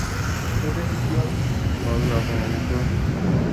তাহলে এখন আমাকে জিজ্ঞেস করছ কেন?